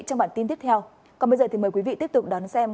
trong bản tin tiếp theo còn bây giờ thì mời quý vị tiếp tục đón xem